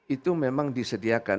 itu memang disediakan